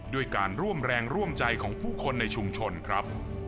ด้วยการร่วมแรงร่วมใจของผู้คนในชุมชนครับ